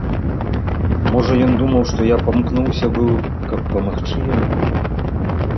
Можа, ён думаў, што я памкнуўся быў, каб памагчы яму.